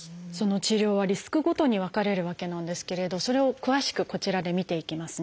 治療はリスクごとに分かれるわけなんですけれどそれを詳しくこちらで見ていきますね。